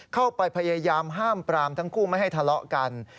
เข้าไปพยายามห้ามปรามทั้งคู่ไม่ให้ทะเลาะกัน